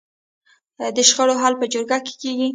د شخړو حل په جرګه کیږي؟